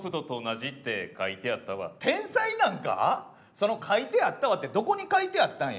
その「書いてあったわ」ってどこに書いてあったんや？